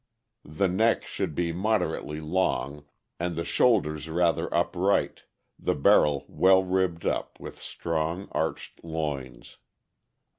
The neck should be moderately long, and the shoulders rather upright, the barrel well ribbed up, with strong arched loins.